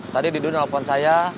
tadi didu nelfon saya